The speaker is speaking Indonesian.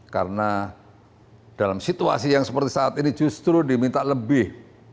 karena dalam situasi yang seperti saat ini justru diminta lebih